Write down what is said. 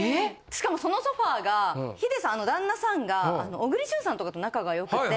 しかもそのソファが秀さん旦那さんが小栗旬さんとかと仲が良くて。